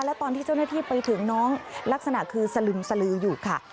และตอนที่เจ้าหน้าที่ไปถึงน้องลักษณะคือสลึมสลืออยู่ค่ะ